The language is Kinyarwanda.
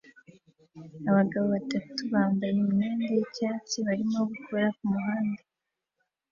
abagabo batatu bambaye imyenda yicyatsi barimo gukora kumuhanda